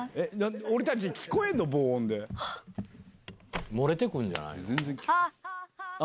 俺たち、聞こえるの？漏れてくるんじゃない？